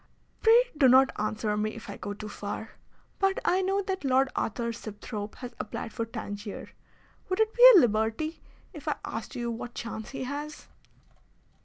"Pray do not answer me if I go too far. But I know that Lord Arthur Sibthorpe has applied for Tangier. Would it be a liberty if I asked you what chance he has?"